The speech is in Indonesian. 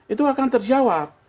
itu akan terjawab